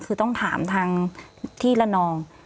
คือต้องถามทางที่ละนอง